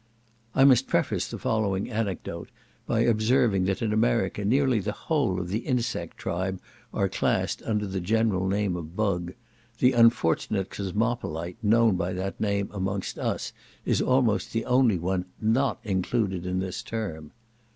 I must preface the following anecdote by observing that in America nearly the whole of the insect tribe are classed under the general name of bug; the unfortunate cosmopolite known by that name amongst us is almost the only one not included in this term.